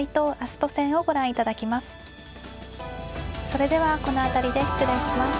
それではこの辺りで失礼します。